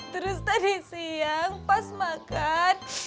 terus tadi siang pas makan